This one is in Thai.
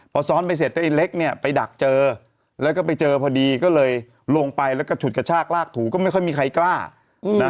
พอซ้อนไปเสร็จไอ้เล็กเนี่ยไปดักเจอแล้วก็ไปเจอพอดีก็เลยลงไปแล้วก็ฉุดกระชากลากถูก็ไม่ค่อยมีใครกล้านะ